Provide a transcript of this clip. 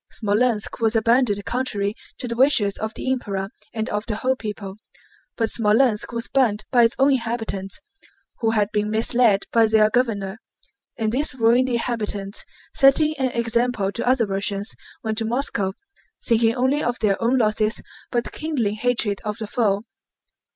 Smolénsk was abandoned contrary to the wishes of the Emperor and of the whole people. But Smolénsk was burned by its own inhabitants who had been misled by their governor. And these ruined inhabitants, setting an example to other Russians, went to Moscow thinking only of their own losses but kindling hatred of the foe.